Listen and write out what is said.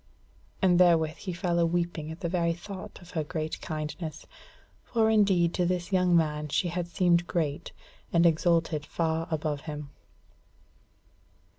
And therewith he fell a weeping at the very thought of her great kindness: for indeed to this young man she had seemed great, and exalted far above him.